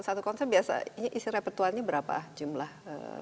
satu konsert biasanya isi repetuannya berapa jumlah